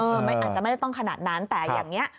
อาจจะไม่ได้ต้องขนาดนั้นแต่อย่างนี้